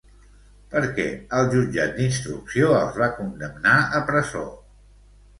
Per què el jutjat d'instrucció els va condemnar a presó?